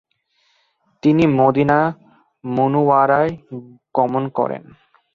তিনি মদীনা মুনাওয়ারায় গমণ করেন।